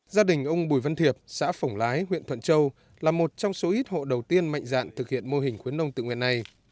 gia đình ông bùi văn thiệp xã phổng lái huyện thuận châu là một trong số ít hộ đầu tiên mạnh dạn thực hiện mô hình khuyến nông tự nguyện này